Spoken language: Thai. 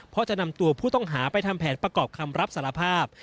เพราะจะนำตัวผู้ต้องหาไปทำแผนประกอบคำรับสารภาพ